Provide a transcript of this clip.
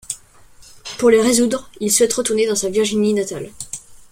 Pour les résoudre, il souhaite retourner dans sa Virginie natale.